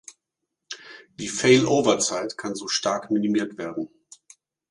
Die Failover-Zeit kann so stark minimiert werden.